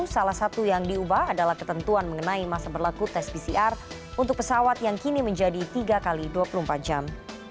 salah satu yang diubah adalah ketentuan mengenai masa berlaku tes pcr untuk pesawat yang kini menjadi tiga x dua puluh empat jam